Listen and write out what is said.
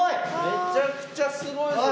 めちゃくちゃすごいぞ。